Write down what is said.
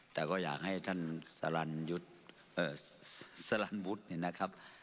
แต่ก็อยากให้ท่านสลันยุทธเอ่อสลันวุฒินะครับ